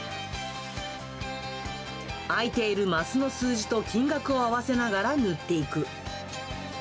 空いているマスの数字と金額を合わせながら塗っていく。